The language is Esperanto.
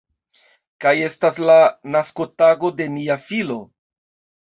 Kaj estas la naskotago de nia filo.